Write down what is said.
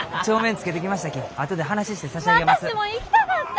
私も行きたかった！